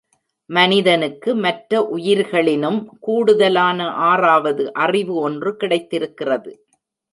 மனிதனுக்கு மற்ற உயிர்களினும் கூடுதலான ஆறாவது அறிவு ஒன்று கிடைத்திருக்கிறது.